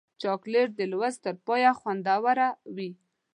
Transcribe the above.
چاکلېټ د لوست تر پایه خوندور وي.